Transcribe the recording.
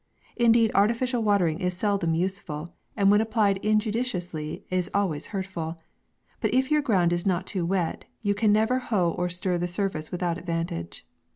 Indeed artificial watering is seldom useful, and when applied injudiciously is always hurtful ; but if your ground is not too wet, you can never hoe or stir the surface without advantage.